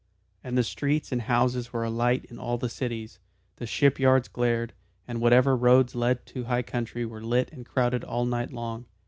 And the streets and houses were alight in all the cities, the shipyards glared, and whatever roads led to high country were lit and crowded all night long.